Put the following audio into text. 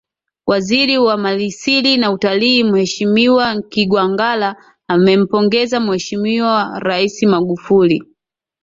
Waziri wa Malisili na Utalii mheshimiwa Kigwangalla amempongeza Mheshimiwa Rais Magufuli